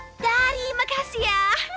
ah dari makasih ya